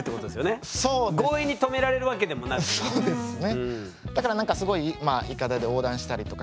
そうですね。